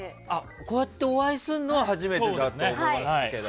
こうやってお会いするのは初めてだと思いますけど。